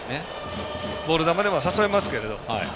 ボール球では誘えますけど。